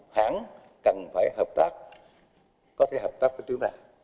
hãng cần phải hợp tác có thể hợp tác với chúng ta